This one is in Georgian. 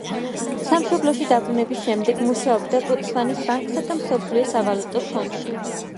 სამშობლოში დაბრუნების შემდეგ მუშაობდა ბოტსვანის ბანკსა და მსოფლიო სავალუტო ფონდში.